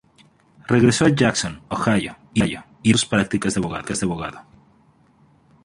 Regresó a Jackson, Ohio, y reanudó sus prácticas de abogado.